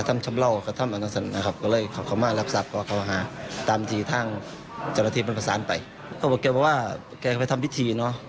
ไม่แค่นี้นะไม่แค่นี้